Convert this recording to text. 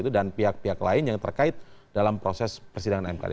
dan pihak pihak lain yang terkait dalam proses persidangan mkd